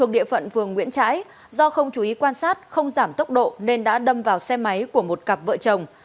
đường nguyễn trãi do không chú ý quan sát không giảm tốc độ nên đã đâm vào xe máy của một cặp vợ chồng